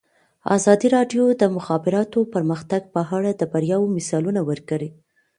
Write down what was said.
ازادي راډیو د د مخابراتو پرمختګ په اړه د بریاوو مثالونه ورکړي.